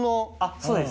そうです。